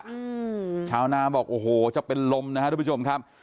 อืมชาวนาบอกโอ้โหจะเป็นลมนะฮะทุกผู้ชมครับ